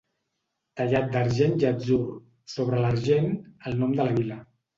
Tallat d'argent i atzur; sobre l'argent, el nom de la vila.